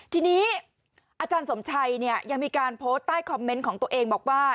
ทีนี้อาจารย์สมชัยยังมีการโพสต์ใต้คอมเมนต์ของตัวเองบอกว่า